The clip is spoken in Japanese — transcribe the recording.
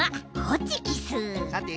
さて？